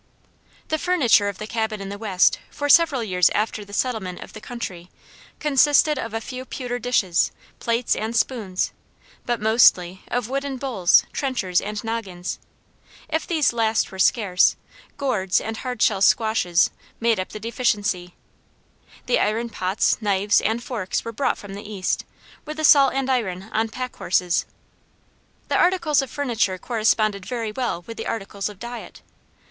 The furniture of the cabin in the West, for several years after the settlement of the country, consisted of a few pewter dishes, plates, and spoons, but mostly of wooden bowls, trenchers, and noggins; if these last were scarce, gourds and hard shell squashes made up the deficiency; the iron pots, knives, and forks were brought from the East, with the salt and iron on pack horses. The articles of furniture corresponded very well with the articles of diet.